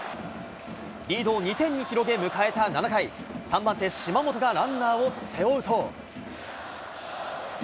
リードを２点に広げ、迎えた７回、３番手、島本がランナーを背負うと。